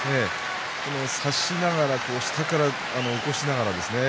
差しながら下から起こしながら。